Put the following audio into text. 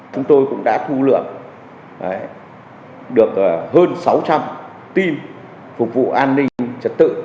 chúng tôi cũng đã thu lượm được hơn sáu trăm linh tin phục vụ an ninh trật tự